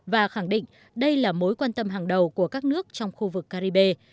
và khẳng định đây là mối quan tâm hàng đầu của các nước trong khu vực caribe